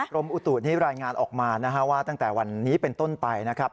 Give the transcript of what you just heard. กรมอุตุนี้รายงานออกมานะฮะว่าตั้งแต่วันนี้เป็นต้นไปนะครับ